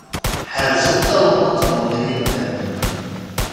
Ḥerzet tawennaṭ-nwen ay imdanen!